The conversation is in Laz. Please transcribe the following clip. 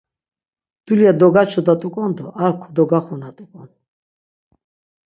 Dulya dogaçodat̆uk̆on do ar kodogaxunat̆ukon!